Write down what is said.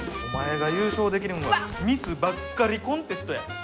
お前が優勝できるんはミスばっかりコンテストや。